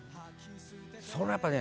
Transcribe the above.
それはやっぱね